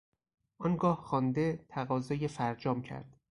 آنگاه خوانده، تقاضای فرجام کرد.